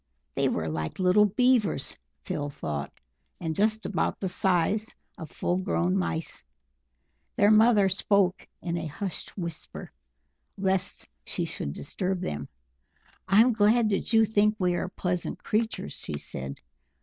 They were like little Beavers, Phil thought, and just about the size of full grown mice. Their mother spoke in a hushed whisper lest she should disturb them. "I'm glad that you think we are pleasant creatures," She said.